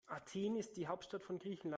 Athen ist die Hauptstadt von Griechenland.